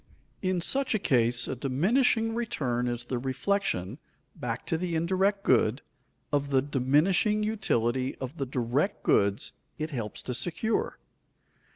In such a case a diminishing return is the reflection, back to the indirect good, of the diminishing utility of the direct goods it helps to secure.